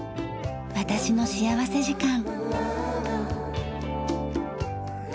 『私の幸福時間』。